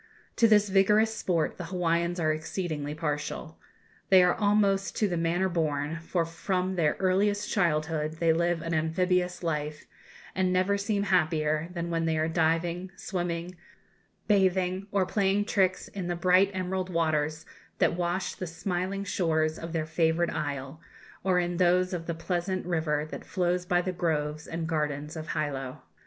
To this vigorous sport the Hawaiians are exceedingly partial. They are almost to the manner born, for from their earliest childhood they live an amphibious life, and never seem happier than when they are diving, swimming, bathing, or playing tricks in the bright emerald waters that wash the smiling shores of their favoured isle, or in those of the pleasant river that flows by the groves and gardens of Hilo.